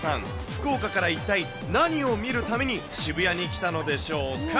福岡から一体何を見るために渋谷に来たのでしょうか。